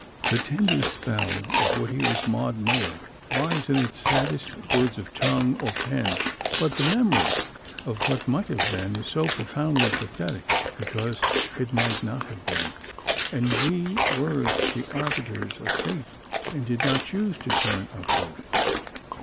The tender spell of Whittier's "Maud Muller" lies in its saddest words of tongue or pen. But the memory of what might have been is so profoundly pathetic because it might not have been, and we were the arbiters of fate and did not choose to turn upward.